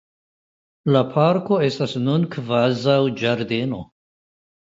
La parko estas nun kvazaŭ ĝardeno.